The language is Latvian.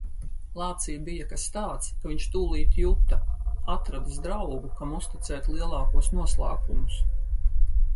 Lācī bija kas tāds, ka viņš tūlīt juta - atradis draugu, kam uzticēt lielākos noslēpumus.